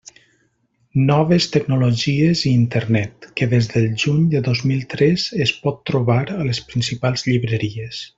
Noves tecnologies i Internet, que des del juny de dos mil tres es pot trobar a les principals llibreries.